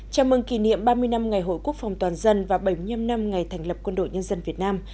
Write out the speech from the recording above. chào mừng kỷ niệm ba mươi năm ngày hội quốc phòng toàn dân và bảy mươi năm năm ngày thành lập quân đội nhân dân việt nam